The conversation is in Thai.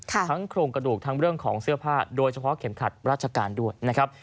โครงกระดูกทั้งเรื่องของเสื้อผ้าโดยเฉพาะเข็มขัดราชการด้วยนะครับ